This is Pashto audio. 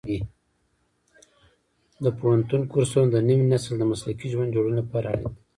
د پوهنتون کورسونه د نوي نسل د مسلکي ژوند جوړونې لپاره اړین دي.